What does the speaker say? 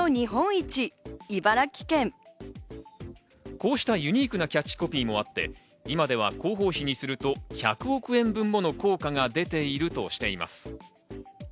こうしたユニークなキャッチコピーもあって、今では広報費にすると、１００億円もの効果が出ているとされています。